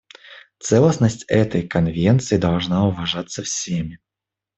Целостность этой Конвенции должна уважаться всеми.